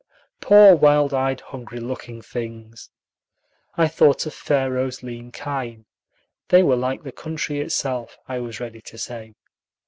Poor, wild eyed, hungry looking things! I thought of Pharaoh's lean kine. They were like the country itself, I was ready to say.